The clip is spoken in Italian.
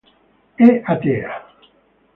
È atea.